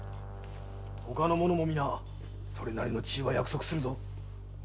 ほかの者も皆それなりの地位は約束するぞ。